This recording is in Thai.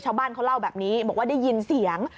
ชาวบ้านเขาเล่าแบบนี้บอกว่าได้ยินเสียง